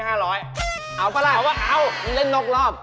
อ้าวพระราชเล่นนอกรอบ